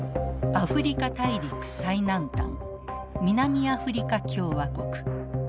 アフリカ大陸最南端南アフリカ共和国。